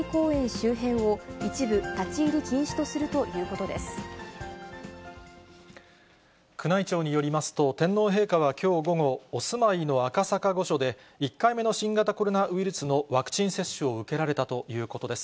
周辺を一部立ち入り禁宮内庁によりますと、天皇陛下はきょう午後、お住まいの赤坂御所で、１回目の新型コロナウイルスのワクチン接種を受けられたということです。